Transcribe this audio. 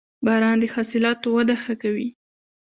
• باران د حاصلاتو وده ښه کوي.